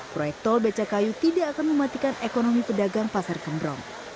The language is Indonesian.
proyek tol beca kayu tidak akan mematikan ekonomi pedagang pasar gemprong